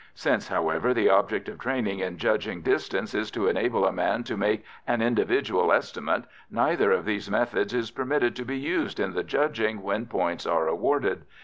Since, however, the object of training in judging distance is to enable a man to make an individual estimate, neither of these methods is permitted to be used in the judging when points are awarded.